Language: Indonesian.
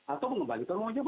atau mengembalikan uang jawab